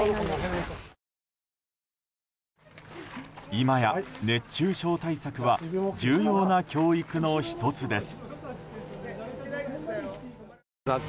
今や熱中症対策は重要な教育の１つです。